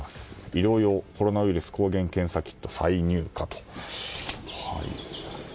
医療用コロナウイルス抗原検査キット、再入荷と。